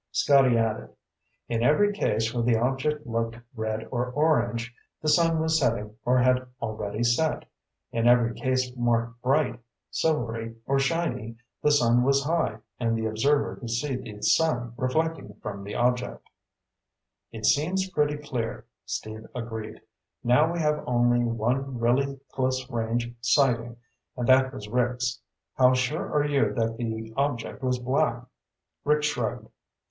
Scotty added, "In every case where the object looked red or orange, the sun was setting or had already set. In every case marked 'bright,' 'silvery,' or 'shiny,' the sun was high and the observer could see the sun reflecting from the object." "It seems pretty clear," Steve agreed. "Now, we have only one really close range sighting, and that was Rick's. How sure are you that the object was black?" Rick shrugged.